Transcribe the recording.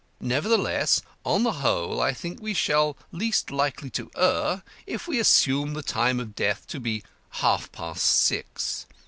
Nevertheless, on the whole, I think we shall be least likely to err if we assume the time of death to be half past six.